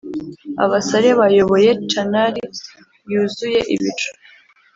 abasare bayoboye canari yuzuye ibicu,